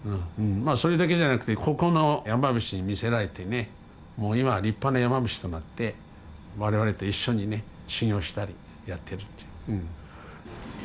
まあそれだけじゃなくてここの山伏に魅せられてねもう今は立派な山伏となって我々と一緒にね修行したりやってるっていう。